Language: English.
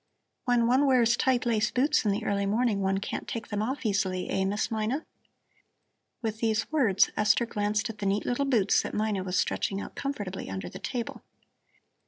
When one wears tight lace boots in the early morning, one can't take them off easily, eh, Miss Mina?" With these words Esther glanced at the neat little boots that Mina was stretching out comfortably under the table.